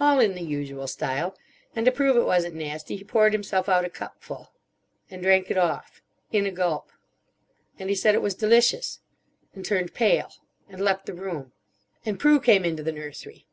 All in the usual style. And to prove it wasn't nasty. He poured himself out a cupful. And drank it off. In a gulp. And he said it was delicious. And turned pale. And left the room. "And Prue came into the nursery.